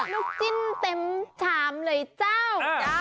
ลูกจิ้นเต็มฉามเลยจ้าว